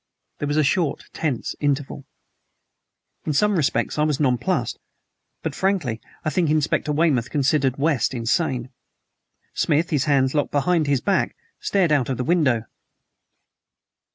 There was a short, tense interval. In some respects I was nonplused; but, frankly, I think Inspector Weymouth considered West insane. Smith, his hands locked behind his back, stared out of the window.